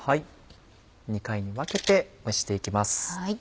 ２回に分けて蒸して行きます。